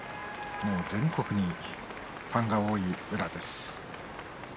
もう全国にファンが多い宇良です。